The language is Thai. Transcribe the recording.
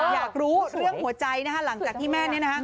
อยากรู้เรื่องหัวใจล่างจากที่แม่นี้